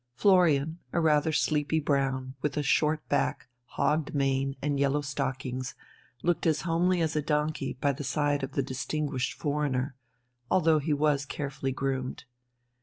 Florian, a rather sleepy brown, with a short back, hogged mane, and yellow stockings, looked as homely as a donkey by the side of the distinguished foreigner, although he was carefully groomed.